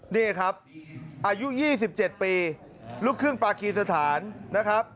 นี่ครับอายุ๒๗ปีลูกครึ่งปากีสถานนะครับ